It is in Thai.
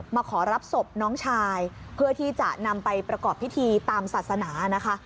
มาขอรับศพน้องชายเพื่อที่จะนำไปประกอบพิธีตามศาสนานะคะ